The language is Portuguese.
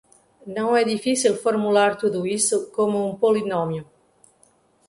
Não é difícil formular tudo isso como um polinômio.